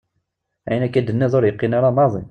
Ayen akka i d-tenniḍ ur yeqqin ara maḍi!